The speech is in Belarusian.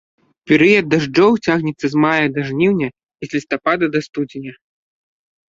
Перыяд дажджоў цягнецца з мая да жніўня, і з лістапада да студзеня.